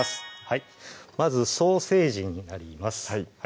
まずソーセージになります